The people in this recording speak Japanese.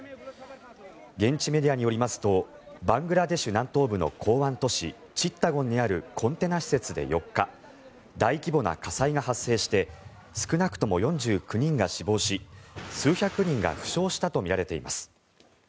現地メディアによりますとバングラデシュ南東部の港湾都市チッタゴンにあるコンテナ施設で４日大規模な火災が発生して少なくとも４９人が死亡し数百人が負傷したとみられています。